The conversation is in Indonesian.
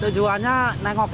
tujuannya nengokin orang tua